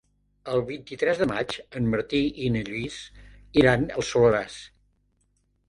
El vint-i-tres de maig en Martí i na Lis iran al Soleràs.